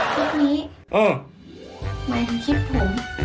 หมายถึงคลิปผม